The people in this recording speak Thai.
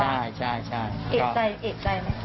เอกใจไหม